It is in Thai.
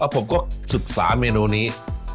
ผมก็ศึกษาเมนูนี้